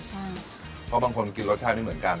เพราะบางคนกินรสชาติไม่เหมือนกัน